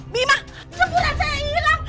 bima jemuran saya hilang